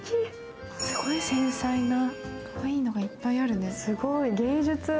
すごい繊細な、かわいいのがいっぱいあるね、すごい、芸術！